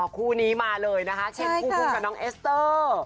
คู่นี้มาเลยนะคะเช่นคู่ภูมิกับน้องเอสเตอร์